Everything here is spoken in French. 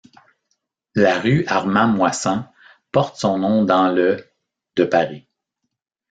La rue Armand-Moisant porte son nom dans le de Paris.